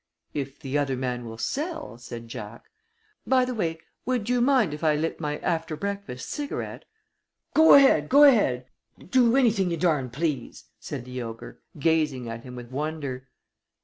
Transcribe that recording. "If the other man will sell," said Jack. "By the way, would you mind if I lit my after breakfast cigarette?" "Go ahead! Go ahead! Do anything you darn please," said the ogre, gazing at him with wonder.